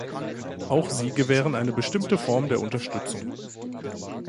Auch sie gewähren eine bestimmte Form der Unterstützung.